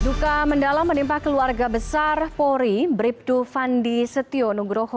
duka mendalam menimpa keluarga besar polri bribdu fandi setio nugroho